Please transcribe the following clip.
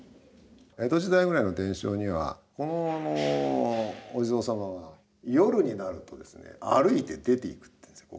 江戸時代ぐらいの伝承にはこのお地蔵様は夜になるとですね歩いて出ていくっていうんですよ